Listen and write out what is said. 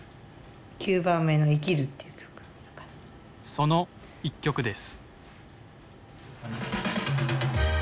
その一曲です。